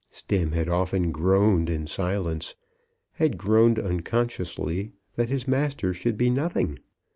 Stemm had often groaned in silence, had groaned unconsciously, that his master should be nothing.